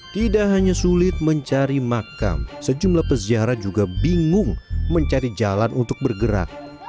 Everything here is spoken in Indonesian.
tidak hanya sulit mencari makam sejumlah peziarah juga bingung mencari jalan untuk bergerak